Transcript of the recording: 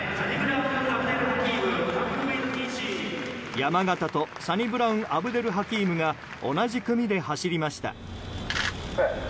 山縣と、サニブラウン・アブデルハキームが同じ組で走りました。